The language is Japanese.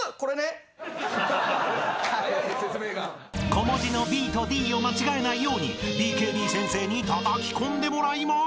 ［小文字のｂとｄを間違えないようにＢＫＢ先生にたたき込んでもらいます！］